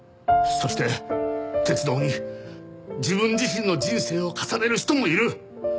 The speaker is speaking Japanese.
そして鉄道に自分自身の人生を重ねる人もいる！